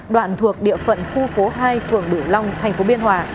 đoạn thuộc địa phận khu phố hai phường bửu long tp biên hòa